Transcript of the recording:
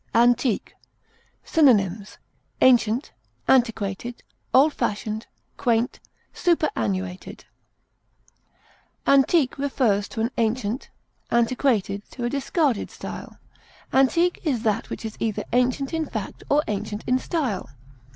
ANTIQUE. Synonyms: ancient, old fashioned, quaint, superannuated. antiquated, Antique refers to an ancient, antiquated to a discarded style. Antique is that which is either ancient in fact or ancient in style.